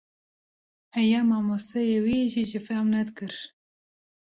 Heya mamosteyê wî jî jê fam nedikir.